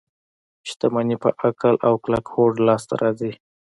شتمني په عقل او کلک هوډ لاس ته راځي.